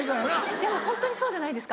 でもホントにそうじゃないですか。